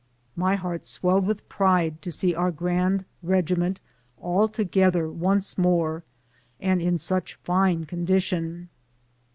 My heart swelled with pride to see our grand regiment all together once more and in such fine condition.